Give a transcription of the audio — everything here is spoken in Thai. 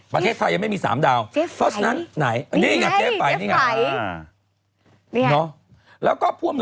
ประเทศไทยยังไม่มี๓ดาวน์